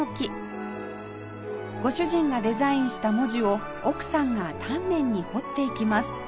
ご主人がデザインした文字を奥さんが丹念に彫っていきます